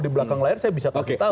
di belakang layar saya bisa tahu